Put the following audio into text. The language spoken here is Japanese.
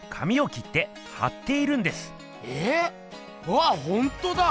わっほんとだ。